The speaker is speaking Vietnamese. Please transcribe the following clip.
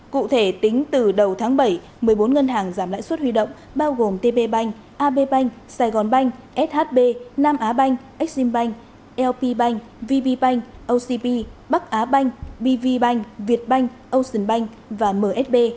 cụ thể tính từ đầu tháng bảy một mươi bốn ngân hàng giảm lãi xuất huy động bao gồm tb bank ab bank saigon bank shb nam á bank exim bank lp bank vb bank ocp bắc á bank bv bank việt bank ocean bank và msb